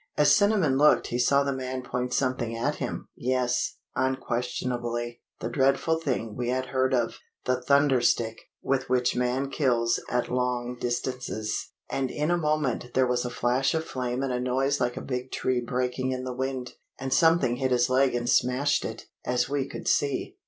As Cinnamon looked he saw the man point something at him (yes, unquestionably, the dreadful thing we had heard of the thunder stick with which man kills at long distances), and in a moment there was a flash of flame and a noise like a big tree breaking in the wind, and something hit his leg and smashed it, as we could see.